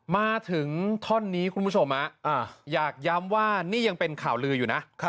มาถึงท่อนนี้คุณผู้ชมอยากย้ำว่านี่ยังเป็นข่าวลืออยู่นะ